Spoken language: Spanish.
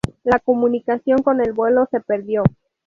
La comunicación con el vuelo se perdió.